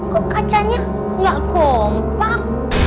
kok kacanya nggak kompak